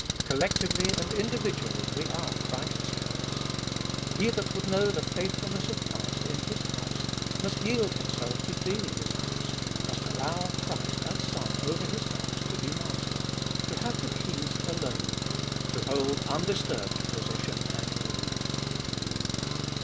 Collectively and individually we are Christ's house : he that would know the faithfulness of Christ in His house, must yield himself to be His house, must allow Christ as Son over His house to be Master, to have the keys alone, to hold undisturbed possession and rule.